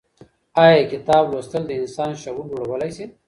آيا کتاب لوستل د انسان شعور لوړولی سي؟